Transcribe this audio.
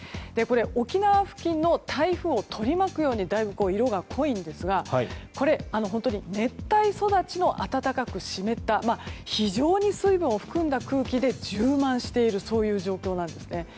沖縄付近の台風を取り巻くようにだいぶ色が濃いんですがこれ本当に熱帯育ちの暖かく湿った非常に水分を含んだ空気で充満しているというそういう状況なんですね。